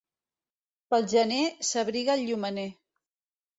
Pel gener, s'abriga el llumener.